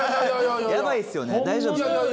やばいですよね大丈夫ですか？